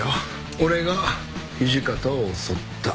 俺が土方を襲った。